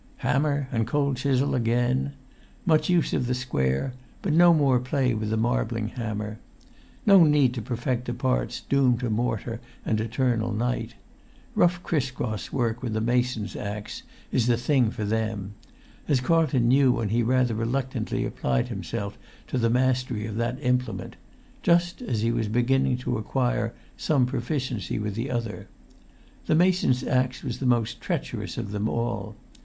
Hammer and cold chisel again. Much use of the square, but no more play with the marbling hammer. No need to perfect the parts doomed to mortar and eternal night; rough criss cross work with a mason's axe is the thing for them; as Carlton knew when he rather reluctantly applied himself to the mastery of that implement, just as he was beginning to acquire some proficiency with the other. The mason's axe was the most treacherous of them all.